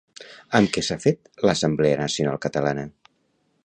Amb què s'ha fet l'Assemblea Nacional Catalana?